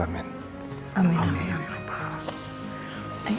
amin ya rabbal alamin